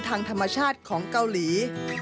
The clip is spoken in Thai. ทางธรรมชาติของเกาหลี